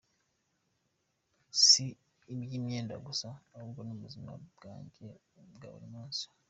Si iby’imyenda gusa ahubwo mu buzim bwanjye bwa buri munsi.